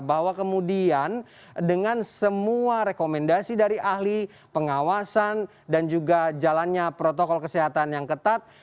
bahwa kemudian dengan semua rekomendasi dari ahli pengawasan dan juga jalannya protokol kesehatan yang ketat